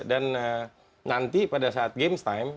dan nanti pada saat games time